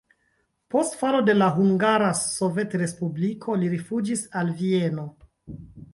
Post falo de la Hungara Sovetrespubliko li rifuĝis al Vieno.